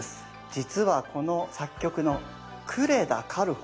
実はこの作曲の呉田軽穂